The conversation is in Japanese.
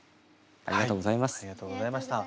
ありがとうございます。